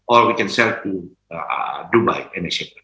atau kita bisa jual ke dubai dan sebagainya